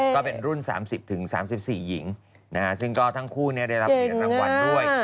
ก็เป็นรุ่น๓๐๓๔หญิงซึ่งก็ทั้งคู่ได้รับเหรียญรางวัลด้วย